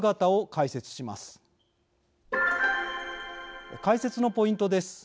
解説のポイントです。